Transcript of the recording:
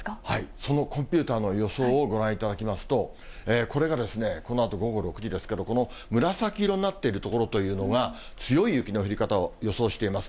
そのコンピューターの予想をご覧いただきますと、これがこのあと午後６時ですけど、この紫色になっている所というのが、強い雪の降り方を予想しています。